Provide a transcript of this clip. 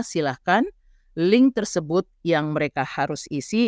silahkan link tersebut yang mereka harus isi